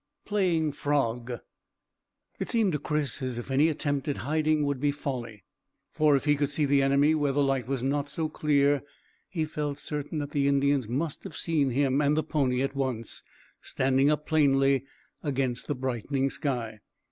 PLAYING FROG. It seemed to Chris as if any attempt at hiding would be folly, for if he could see the enemy where the light was not so clear he felt certain that the Indians must have seen him and the pony at once, standing up plainly against the brightening sky.